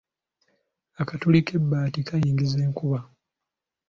Akatuli k’ebbaati kayingiza enkuba.